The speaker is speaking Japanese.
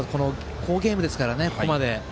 好ゲームですからね、ここまで。